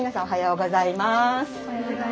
おはようございます。